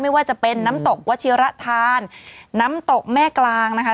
ไม่ว่าจะเป็นน้ำตกวัชิระธานน้ำตกแม่กลางนะคะ